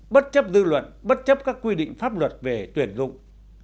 bất chấp dư luận bất chấp các quy định pháp luật về tuyển dụng